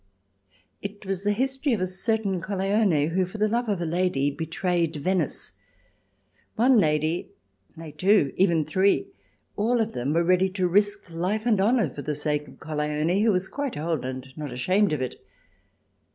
It was the history of a certain CoUeone who for love of a lady betrayed CH. XX] TRIER 281 Venice. One lady — nay, two, even three — all of them were ready to risk life and honour for the sake of Colleone, who was quite old and not ashamed of it.